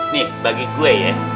nih bagi gue ya